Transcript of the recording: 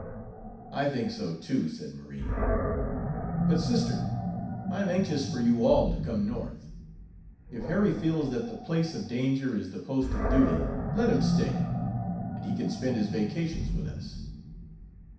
"I think so, too," said Marie. "But, sister, I am anxious for you all to come North. If Harry feels that the place of danger is the post of duty, let him stay, and he can spend his vacations with us.